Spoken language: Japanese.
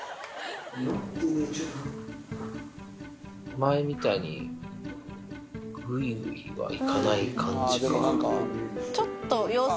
前みたいに、ぐいぐいはいかない感じか。